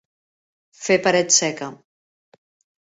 Fer paret seca.